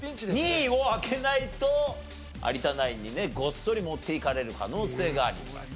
２位を開けないと有田ナインにねごっそり持っていかれる可能性があります。